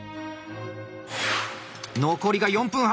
残りが４分半。